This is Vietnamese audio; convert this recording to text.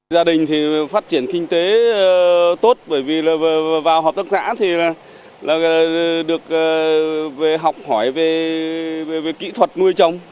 gia đình thì phát triển kinh tế tốt bởi vì vào họp tác giả thì được học hỏi về kỹ thuật nuôi trồng